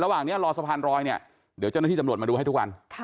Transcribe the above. ระหว่างนี้รอสะพานรอยเนี่ยเดี๋ยวเจ้าหน้าที่ตำรวจมาดูให้ทุกวัน